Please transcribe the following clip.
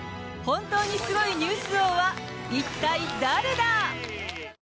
本当にスゴいニュース王は一体誰だ！